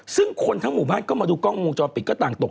ซึ่งคนทั้งหมู่บ้านก็มาดูกล้องวงจรปิดก็ต่างตก